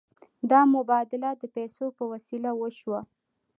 دا مبادله د پیسو په وسیله وشوه.